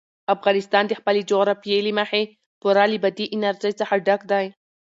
افغانستان د خپلې جغرافیې له مخې پوره له بادي انرژي څخه ډک دی.